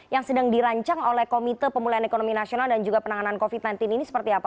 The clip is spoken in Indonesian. yang sedang dirancang oleh komite pemulihan ekonomi nasional dan juga penanganan covid sembilan belas ini seperti apa